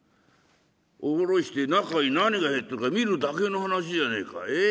下ろして中に何が入ってるか見るだけの話じゃねえかええ。